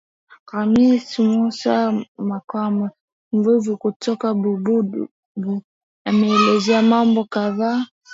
Khamis Mussa Makame Mvuvi kutoka Bububu ameelezea mambo kadhaa